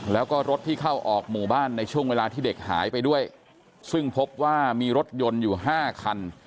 แล้วก็รถที่เข้าออกหมู่บ้านในช่วงเวลาที่เด็กหายไปด้วยซึ่งพบว่ามีรถยนต์อยู่๕คัน